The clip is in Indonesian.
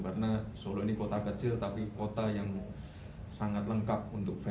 karena solo ini kota kecil tapi kota yang sangat lengkap untuk venue